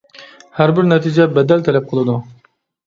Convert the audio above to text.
ھەر بىر نەتىجە بەدەل تەلەپ قىلىدۇ.